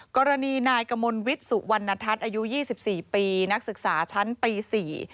กรณีนายกมลวิทย์สุวรรณทัศน์อายุ๒๔ปีนักศึกษาชั้นปี๔